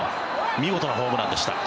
見事なホームランでした。